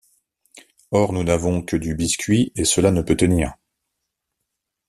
Or, nous n’avons que du biscuit, et cela ne peut tenir.